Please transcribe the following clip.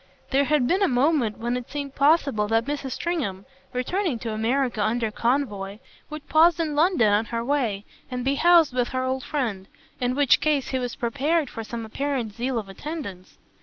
There had been a moment when it seemed possible that Mrs. Stringham, returning to America under convoy, would pause in London on her way and be housed with her old friend; in which case he was prepared for some apparent zeal of attendance.